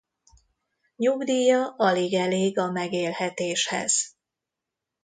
Nyugdíja alig elég a megélhetéshez.